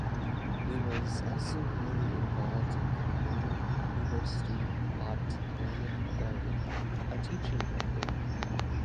He was also highly involved in creating the University Botanic Garden (a teaching garden).